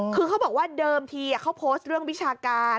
คือเขาบอกว่าเดิมทีเขาโพสต์เรื่องวิชาการ